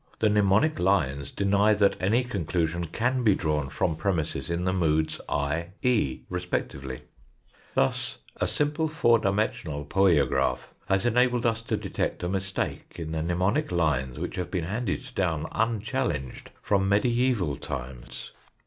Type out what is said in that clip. The mnemonic lines deny that any conclusion can be drawn from premisses in the moods I, E, respectively Thus a simple four dimensional poiograph has enabled us to detect a mistake in the mnemonic lines which have been handed down unchallenged from mediaeval times.